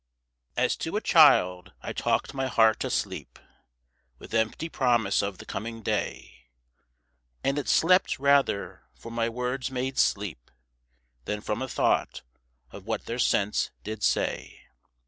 X. As to a child, I talked my heart asleep With empty promise of the coming day, And it slept rather for my words made sleep Than from a thought of what their sense did say.